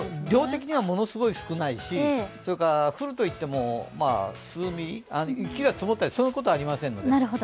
量的にはものすごく少ないし、降るといっても雪は積もったり、そういうことはありませんので。